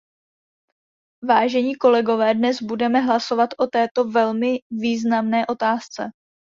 Vážení kolegové, dnes budeme hlasovat o této velmi významné otázce.